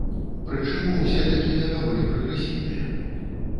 Прычым усе такія даволі прагрэсіўныя.